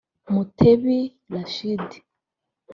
Mutebi Rachid